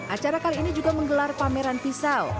acara kali ini juga menggelar pameran pisau